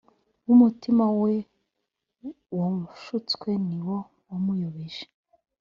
B umutima we washutswe ni wo wamuyobeje